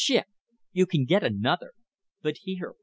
ship! You can get another. But here.